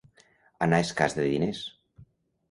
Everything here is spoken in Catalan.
Anar escàs de diners.